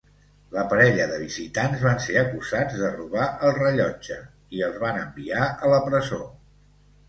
La parella de visitants van ser acusats de robar el rellotge i els van enviar a la presó.